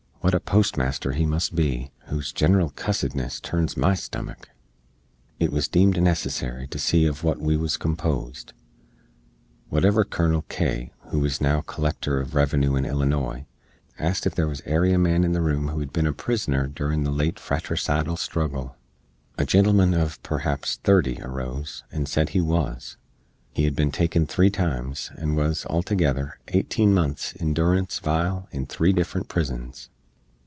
Wat a postmaster he must be, whose gineral cussedness turns my stummick!" It wuz deemed necessary to see uv wat we wuz compozed; whatever Kernel K , who is now Collector uv Revenue in Illinoy, asked ef there wuz ary man in the room who hed bin a prizner doorin the late fratricidle struggle. A gentleman uv, perhaps, thirty aroze, and sed he wuz. He hed bin taken three times, and wuz, altogether, 18 months in doorance vile in three diffrent prizns.